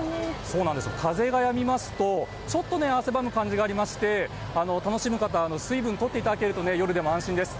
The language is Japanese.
風がやみますとちょっと汗ばむ感じがありまして楽しむ方は水分をとっていただけると夜でも安心です。